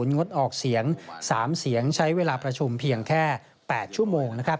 งดออกเสียง๓เสียงใช้เวลาประชุมเพียงแค่๘ชั่วโมงนะครับ